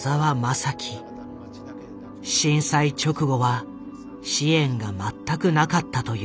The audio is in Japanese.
震災直後は支援が全くなかったという。